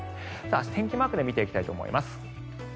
天気マークで見ていきたいと思います。